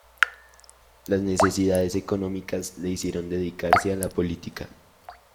Las necesidades económicas le hicieron dedicarse a la política.